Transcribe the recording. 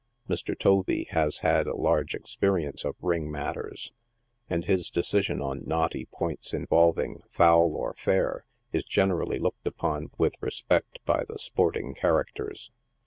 Mr. Tovee has had a large experience of ring matters, and his decision on knotty points involving " foul" or " fair," is generally looked upon with respect by the sporting characters.